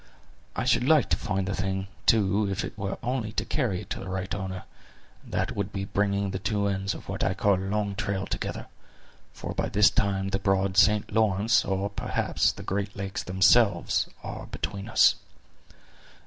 I should like to find the thing, too, if it were only to carry it to the right owner, and that would be bringing the two ends of what I call a long trail together, for by this time the broad St. Lawrence, or perhaps, the Great Lakes themselves, are between us."